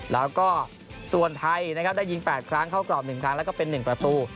แล้วก็ส่วนไทยนะครับได้ยิง๘ครั้งเข้ากรอบ๑ครั้งแล้วก็เป็น๑ประตู